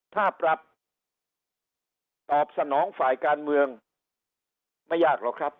ถ้าปรับตอบสนองฝ่ายการเมืองไม่ยากหรอกครับ